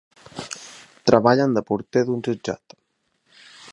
Treballen de porter d'un jutjat.